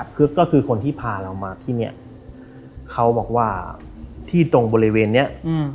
คือก็คือคนที่พาเรามาที่เนี่ยเขาบอกว่าที่ตรงบริเวณนี้